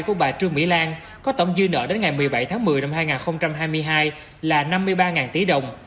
của bà trương mỹ lan có tổng dư nợ đến ngày một mươi bảy tháng một mươi năm hai nghìn hai mươi hai là năm mươi ba tỷ đồng